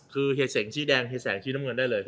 คือเหตุแสงชิ้นแดงเหตุแสงชิ้นน้ำเงินได้เลย